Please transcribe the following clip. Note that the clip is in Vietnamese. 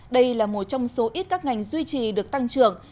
đây là một trong số ít các ngành duy trì được tăng trưởng